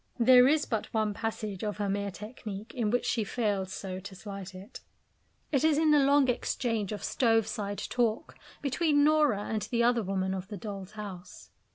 There is but one passage of her mere technique in which she fails so to slight it. It is in the long exchange of stove side talk between Nora and the other woman of "The Doll's House."